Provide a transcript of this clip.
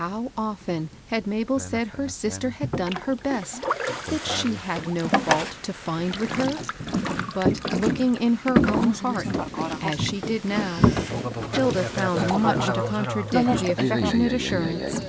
How oft; en had Mabel said her sister had done her best, — that she had no fault to find with her. But, looking into her own hearty as she did " WORK — WOEK WORK." 2f 1 now, Hilda found much to contradict the affection ate assurance.